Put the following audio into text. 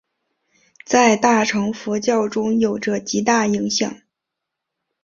在大乘佛教中有着极大影响。